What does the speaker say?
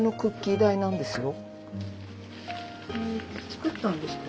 作ったんですか？